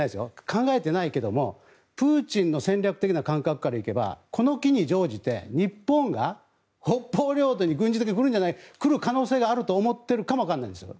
考えてないけれどプーチンの戦略的な感覚からいえばこの機に乗じて日本が北方領土に軍事的に来る可能性があると思っているかもわからないんですよ